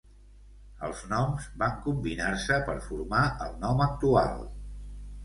Els noms van combinar-se per formar el nom actual.